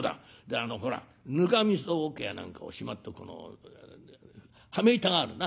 あのほらぬかみそおけや何かをしまっておく羽目板があるな。